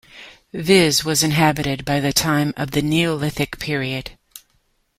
Vis was inhabited by the time of the Neolithic period.